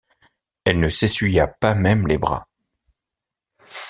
Elle ne s’essuya pas même les bras.